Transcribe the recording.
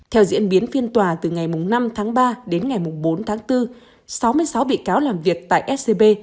theo diễn biến phiên tòa từ ngày năm tháng ba đến ngày bốn tháng bốn sáu mươi sáu bị cáo làm việc tại scb